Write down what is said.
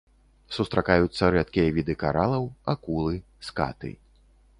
Сустракаюцца рэдкія віды каралаў, акулы, скаты.